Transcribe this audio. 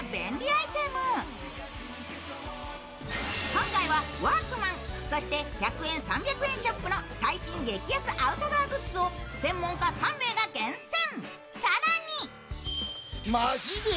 今回はワークマン、そして１００円、３００円ショップの最新激安アウトドアグッズを専門家３名が厳選。